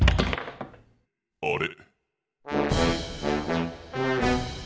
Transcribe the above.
あれ？